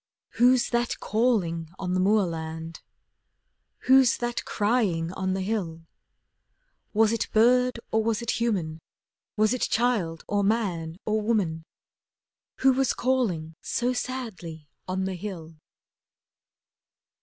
Who's that calling on the moorland? Who's that crying on the hill? Was it bird or was it human, Was it child, or man, or woman, Who was calling so sadly on the hill?